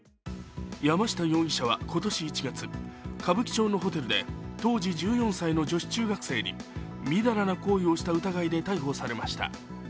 山下容疑者は今年１月、歌舞伎町のホテルで当時１４歳の女子中学生にみだらな行為をした疑いで逮捕されました。